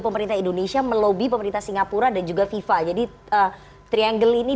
pemerintah indonesia melobi pemerintah singapura dan juga fifa jadi triangle ini